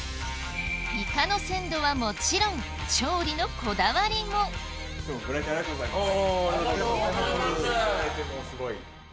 イカの鮮度はもちろん調理のこだわりも今日はご来店ありがとうございます。